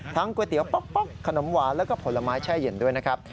ทั้งก๋วยเตี๋ยวขนมวาและผลไม้แช่เห็นด้วยนะครับ